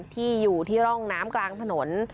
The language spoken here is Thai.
ที่อยู่ที่ร่องน้ำกลางถนน